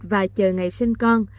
và chờ ngày sinh con